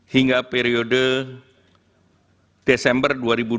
hingga periode desember dua ribu dua puluh